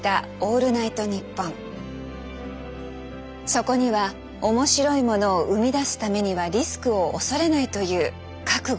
そこには面白いものを生み出すためにはリスクを恐れないという覚悟